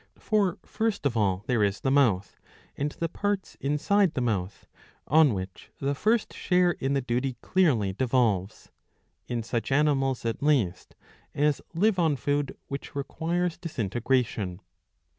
For first of all there is the mouth and the parts inside the mouth, on which the first share in the duty clearly devolves, in such animals at least as live on food which requires disintegration.